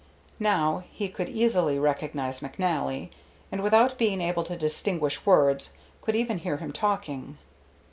Now he could easily recognize McNally, and without being able to distinguish words could even hear him talking.